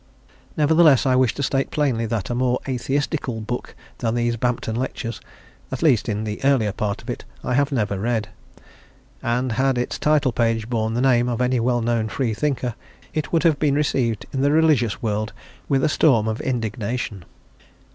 Nevertheless, I wish to state plainly that a more "atheistical" book than these Bampton Lectures at least, in the earlier part of it I have never read; and had its title page borne the name of any well known Free thinker, it would have been received in the religious world with a storm of indignation.